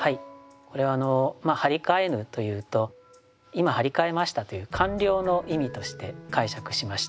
これは「張り替へぬ」というと今張り替えましたという完了の意味として解釈しました。